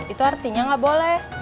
itu artinya gak boleh